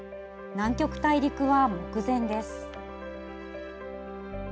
南極大陸は目前です。